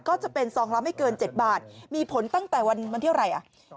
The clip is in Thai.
ก็จะเป็นซองละไม่เกิน๗บาทมีผลตั้งแต่วันที่เท่าไหร่อ่ะ